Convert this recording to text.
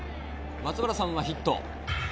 松原さんはヒット。